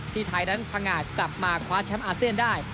ที่ไทยดันพงาจกลับมาคว้าแชมป์อาเซียนได้